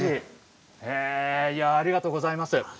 ありがとうございます。